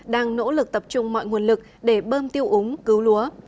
đang nỗ lực tập trung mọi nguồn lực để bơm tiêu úng cứu lúa